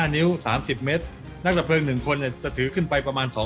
นิ้ว๓๐เมตรนักดับเพลิง๑คนจะถือขึ้นไปประมาณ๒๐๐